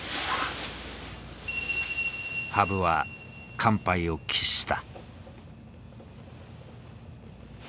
羽生は完敗を喫した。